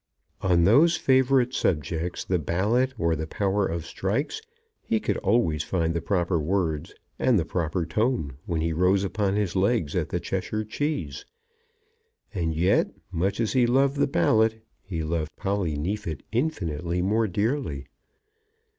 On those favourite subjects, the ballot, or the power of strikes, he could always find the proper words and the proper tone when he rose upon his legs at the Cheshire Cheese; and yet, much as he loved the ballot, he loved Polly Neefit infinitely more dearly.